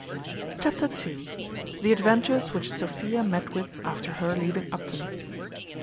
Chapter ii. The adventures which Sophia met with after her leaving Upton.